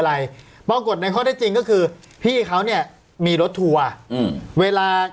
อะไรปรากฏในข้อได้จริงก็คือพี่เขาเนี่ยมีรถทัวร์อืมเวลา